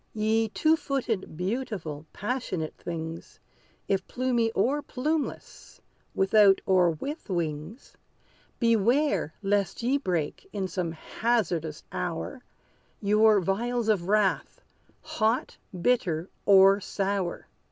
Ye two footed, beautiful, passionate things, If plumy or plumeless without, or with wings, Beware, lest ye break, in some hazardous hour, Your vials of wrath, hot, or bitter, or sour!